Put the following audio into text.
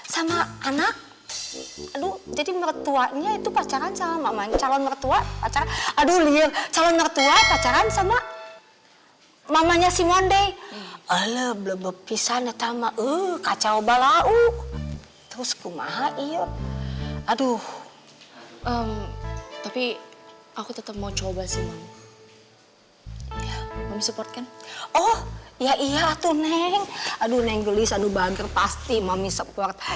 saya jadi tidak enak ini hehehe